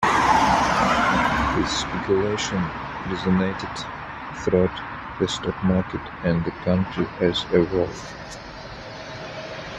This speculation resonated throughout the stock market and the country as a whole.